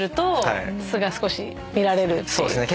そうですね。